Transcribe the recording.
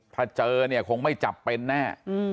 ถ้าเจอเนี่ยคงไม่จับเป็นแน่